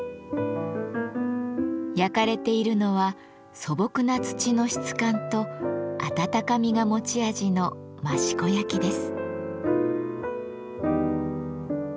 焼かれているのは素朴な土の質感と温かみが持ち味の益子焼です。